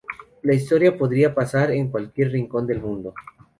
La historia podría pasar en cualquier rincón del mundo".